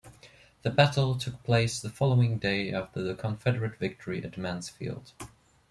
The battle took place the following day after the Confederate victory at Mansfield.